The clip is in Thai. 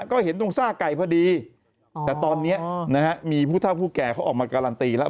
ก็เห็นตรงซากไก่พอดีแต่ตอนนี้นะฮะมีผู้เท่าผู้แก่เขาออกมาการันตีแล้ว